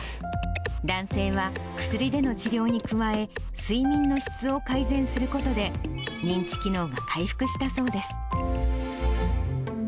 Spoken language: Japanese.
男性は薬での治療に加え、睡眠の質を改善することで、認知機能が回復したそうです。